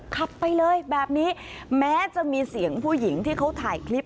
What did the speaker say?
ขับไปเลยแบบนี้แม้จะมีเสียงผู้หญิงที่เขาถ่ายคลิป